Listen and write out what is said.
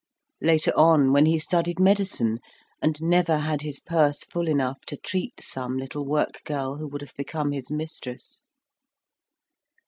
Later on, when he studied medicine, and never had his purse full enough to treat some little work girl who would have become his mistress?